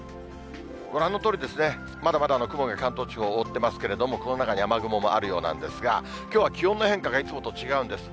ご覧のとおり、まだまだ雲が関東地方を覆ってますけれども、この中に雨雲もあるようなんですが、きょうは気温の変化がいつもと違うんです。